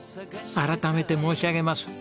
改めて申し上げます。